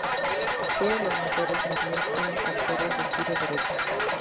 Todos los motores Merlin eran "tractores de giro derecho", "i.e.